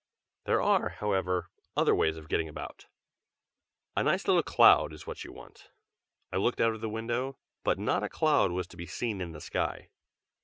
There are, however, other ways of getting about. A nice little cloud is what you want." I looked out of the window, but not a cloud was to be seen in the sky.